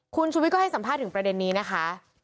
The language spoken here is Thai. คุณชุวิตก็ให้สัมภาษณ์ถึงประเด็นนี้นะคะ